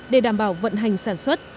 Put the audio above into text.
để đảm bảo vận hành sản xuất